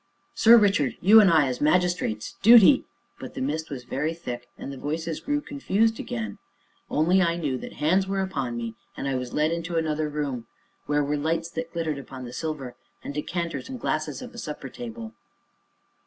Sir Richard you and I, as magistrates duty " But the mist was very thick, and the voices grew confused again; only I knew that hands were upon me, that I was led into another room, where were lights that glittered upon the silver, the decanters and glasses of a supper table.